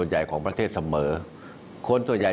วันนี้นั้นผมจะมาพูดคุยกับทุกท่าน